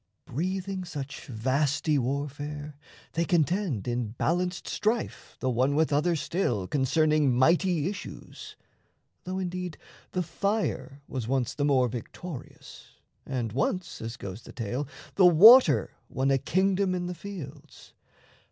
Breathing such vasty warfare, they contend In balanced strife the one with other still Concerning mighty issues, though indeed The fire was once the more victorious, And once as goes the tale the water won A kingdom in the fields.